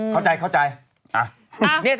เข้าใจ